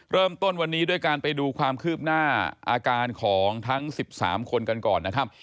เริ่มต้นวันนี้ด้วยการไปดูความคืบหน้าอาการของทั้ง๑๓คนกันก่อนนะครับ